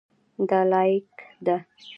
دا لاییک ده.